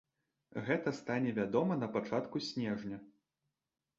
Гэта стане вядома на пачатку снежня.